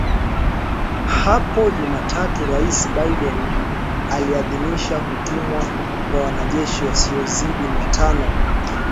Hapo Jumatatu Rais Biden aliidhinisha kutumwa kwa wanajeshi wasiozidi mia tano